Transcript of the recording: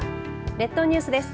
列島ニュースです。